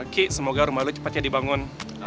ki semoga rumah lu cepatnya dibangun